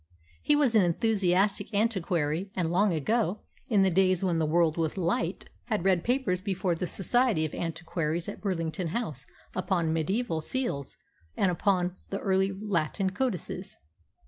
He was an enthusiastic antiquary, and long ago, in the days when the world was light, had read papers before the Society of Antiquaries at Burlington House upon mediaeval seals and upon the early Latin codices.